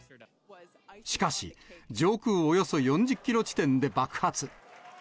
しかし、上空およそ４０キロ地点で爆発。